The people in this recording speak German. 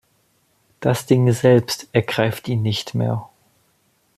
Das Ding selbst ergreift ihn nicht mehr.